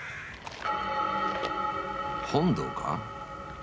［本堂か？］